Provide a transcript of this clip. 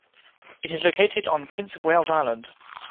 It is located on Prince of Wales Island.